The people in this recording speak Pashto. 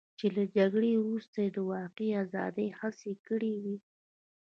چې له جګړې وروسته یې د واقعي ازادۍ هڅې کړې وې.